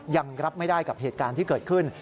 ยังรับไม่ได้กับเหตุการณ์ที่เกิดขึ้น